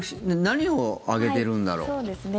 何を上げているんだろう。